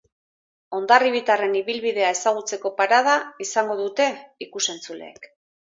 Hondarribitarraren ibilbidea ezagutzeko parada izango dute ikus-entzuleek.